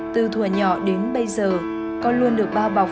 từ thủa nhỏ đến bây giờ con luôn được bao bọc trong tim con